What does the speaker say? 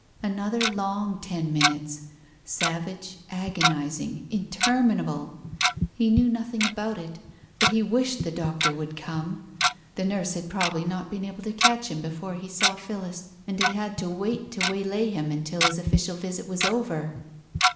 ... Another long ten minutes — savage, agonizing, inter minable 1 ... He knew nothing about it ... but he wished the doctor would come ! The nurse had probably not been able to catch him before he saw Phillis, and had had to wait to waylay him until his official visit was over.